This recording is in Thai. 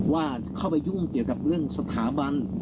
ว่าเข้าไปยุ่งเกี่ยวกับเรื่องสถาบัน